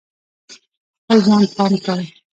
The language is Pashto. په خپل ځان پام کوه.